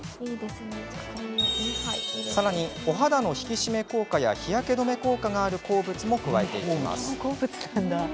さらに、お肌の引き締め効果や日焼け止め効果がある鉱物も加えていきます。